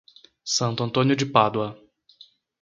Santo Antônio de Pádua